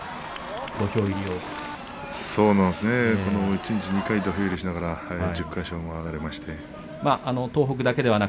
一日２回土俵入りしながら１０か所回りまして。